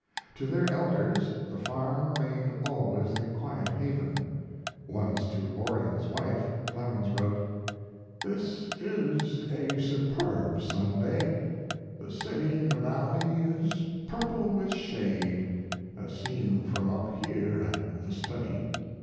To their elders the farm remained always the quiet haven. Once to Orion's wife Clemens wrote: This is a superb Sunday.... The city in the valley is purple with shade, as seen from up here at the study.